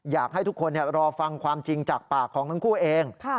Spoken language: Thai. อยากให้ทุกคนรอฟังความจริงจากปากของทั้งคู่เอง